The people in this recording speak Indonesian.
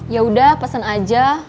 yaudah pesen aja